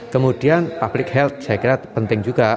kemudian public health saya kira penting juga